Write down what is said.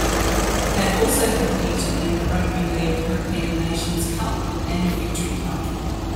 They have also competed in the Rugby League European Nations Cup and Victory Cup.